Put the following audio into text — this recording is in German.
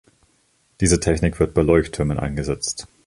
Diese Technik wird bei Leuchttürmen eingesetzt.